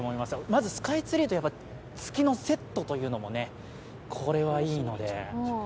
まずスカイツリーと月のセットというのもね、これはいいので。